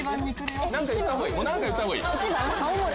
何か言ったほうがいい。